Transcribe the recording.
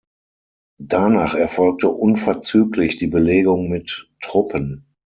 Danach erfolgte unverzüglich die Belegung mit Truppen.